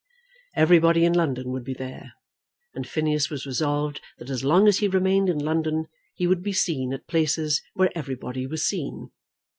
Everybody in London would be there, and Phineas was resolved that as long as he remained in London he would be seen at places where everybody was seen.